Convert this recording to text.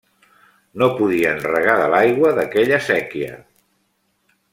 No podien regar de l’aigua d’aquella séquia.